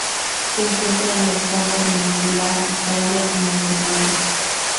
Se encuentran en la España peninsular, Italia y Montenegro.